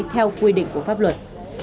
theo quy định của pháp luật